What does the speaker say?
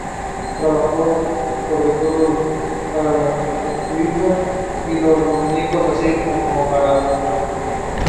Away we go.